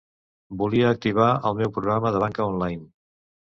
Volia activar el meu programa de banca online.